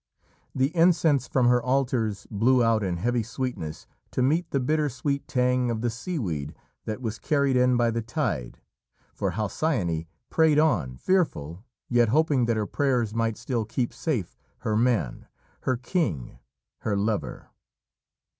The incense from her altars blew out, in heavy sweetness, to meet the bitter sweet tang of the seaweed that was carried in by the tide, for Halcyone prayed on, fearful, yet hoping that her prayers might still keep safe her man her king her lover.